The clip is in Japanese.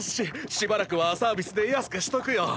しばらくはサービスで安くしとくよ。